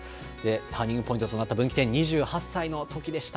ターニングポイントとなった分岐点、２８歳のときでした。